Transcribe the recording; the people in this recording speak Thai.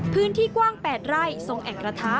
พื้นที่กว้าง๘ไร่ทรงแอ่งกระทะ